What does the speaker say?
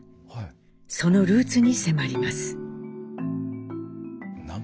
そのルーツに迫ります。